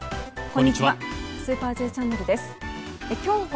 こんにちは。